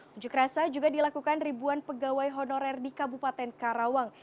unjuk rasa juga dilakukan ribuan pegawai honorer di kabupaten karawang